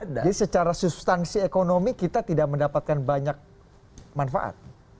jadi secara substansi ekonomi kita tidak mendapatkan banyak manfaat